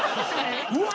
「うわ！」